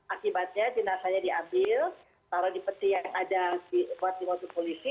akibatnya jenazahnya diambil taruh di peti yang ada di mobil polisi